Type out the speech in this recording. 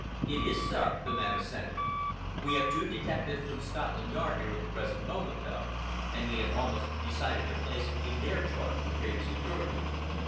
"It is, sir," the man assented. "We have two detectives from Scotland Yard here at the present moment, though, and we had almost decided to place it in their charge for greater security."